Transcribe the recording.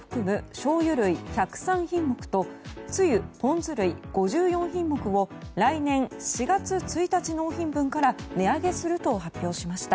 しょうゆ類１０３品目とつゆ、ぽんず類５４品目を来年４月１日納品分から値上げすると発表しました。